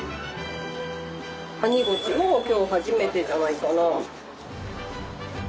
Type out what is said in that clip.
ワニゴチも今日初めてじゃないかな。